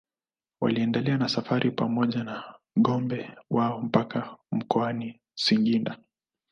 Waliendelea na safari pamoja na ngombe wao mpaka mkoani Singida